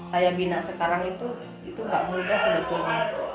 saya bina sekarang itu itu gak mudah sebetulnya